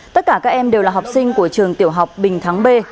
tất cả các em đều là học sinh của trường tiểu học bình thắng b